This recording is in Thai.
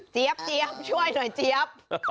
เจี๊ยบเจี๊ยบช่วยหน่อยเจี๊ยบ